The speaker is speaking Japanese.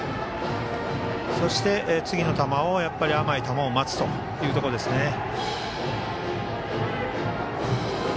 そして、次の球で甘い球を待つというところですね。